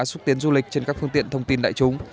xúc tiến du lịch trên các phương tiện thông tin đại chúng